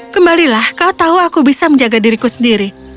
kembalilah kau tahu aku bisa menjaga diriku sendiri